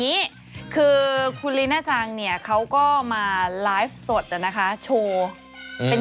นี้คือคุณลีน่าจังเนี่ยเขาก็มาไลฟ์สดนะคะโชว์เป็น